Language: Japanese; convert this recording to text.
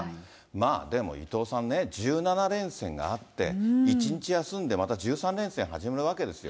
まあ、でも、伊藤さんね、１７連戦があって、１日休んでまた１３連戦始まるわけですよ。